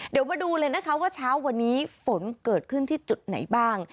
เดี๋ยวมาดูเลยนะคะว่าเช้าวันนี้ฝนเกิดขึ้นที่จุดไหนบ้าง